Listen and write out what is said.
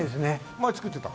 前作ってた？